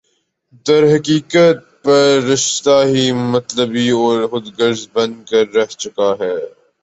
درحقیقت ہر رشتہ ہی مطلبی اور خودغرض بن کر رہ چکا ہے